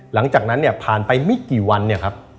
หลังจากนั้นเนี่ยผ่านไปไม่กี่วันเนี่ยครับ